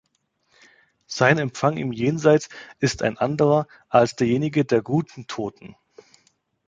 Sein Empfang im Jenseits ist ein anderer als derjenige der „guten“ Toten.